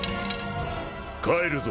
帰るぞ。